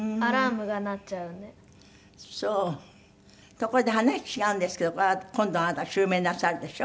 ところで話違うんですけど今度あなた襲名なさるでしょ？